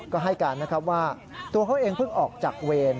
ก็ให้การนะครับว่าตัวเขาเองเพิ่งออกจากเวร